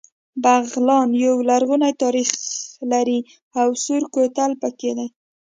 بغلان يو لرغونی تاریخ لري او سور کوتل پکې دی